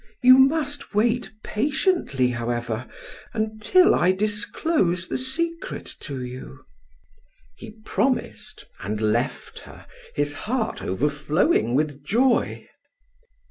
You must wait patiently, however, until I disclose the secret to you." He promised and left her, his heart overflowing with joy.